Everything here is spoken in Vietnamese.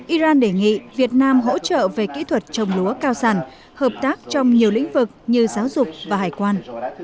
iran đề nghị việt nam hỗ trợ về kỹ thuật trồng lúa cao sản hợp tác trong nhiều lĩnh vực như giáo dục và hải quan